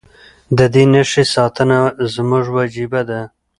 د دې نښې ساتنه زموږ وجیبه ده.